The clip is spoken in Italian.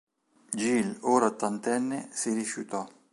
Gil, ora ottantenne, si rifiutò.